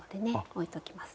おいときますね。